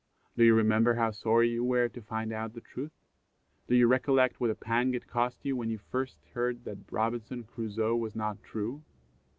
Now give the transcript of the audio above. Do you remember how sorry you were to find out the truth? Do you recollect what a pang it cost you when first you heard that Robinson Crusoe was not true?